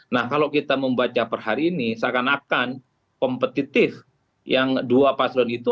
nah kalau kita membaca per hari ini seakan akan kompetitif yang dua paslon itu